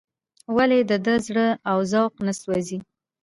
ولې د ده زړه او ذوق نه سوزي.